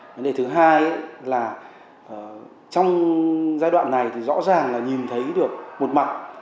vấn đề thứ hai là trong giai đoạn này thì rõ ràng là nhìn thấy được một mặt